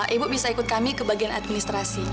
ibu bisa ikut kami ke bagian administrasi